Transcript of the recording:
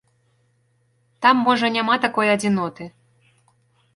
Там можа няма такой адзiноты.